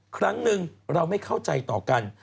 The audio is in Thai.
ครั้งหนึ่งเราไม่เข้าใจต่อกัน